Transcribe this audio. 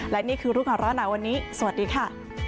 และนี่คือลูกหาล่ะวันนี้สวัสดีค่ะ